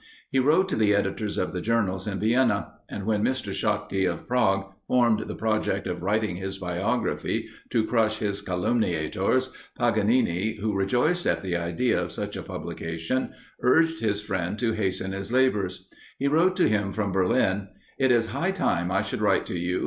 He wrote to the editors of the journals in Vienna; and when Mr. Schottky, of Prague, formed the project of writing his biography, to crush his calumniators, Paganini, who rejoiced at the idea of such a publication, urged his friend to hasten his labours. He wrote to him from Berlin: "It is high time I should write to you.